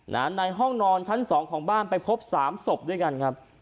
ในห้องนอนช้อน๒ของบ้านไปพบ๓ศพด้วยกันครับ